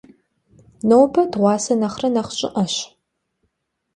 Nobe dığuase nexhre nexh ş'ı'eş.